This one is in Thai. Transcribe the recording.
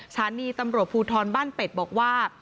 สถานีตำรวจภูทรบ้านเป็ดบอกว่า